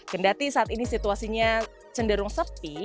kendati saat ini situasinya cenderung sepi